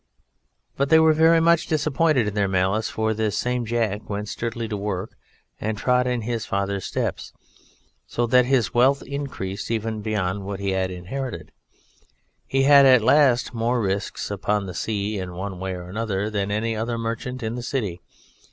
But they were very much disappointed in their malice, for this same Jack went sturdily to work and trod in his father's steps, so that his wealth increased even beyond what he had inherited, and he had at last more risks upon the sea in one way and another than any other merchant in the City.